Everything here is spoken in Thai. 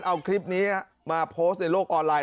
เอาคลิปนี้มาโพสต์ในโลกออนไลน